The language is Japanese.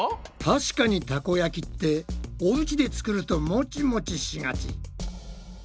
確かにたこ焼きっておうちで作るとモチモチしがち。